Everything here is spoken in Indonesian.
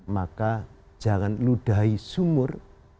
maka jangan ludahi sumur